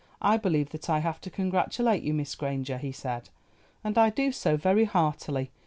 "I believe that I have to congratulate you, Miss Granger," he said, "and I do so very heartily.